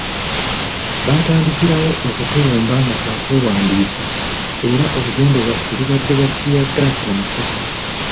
Baatandikirawo okutulumba nga twakeewandiisa era olugendo lwaffe lubadde lwa ttiyaggaasi n'amasasi.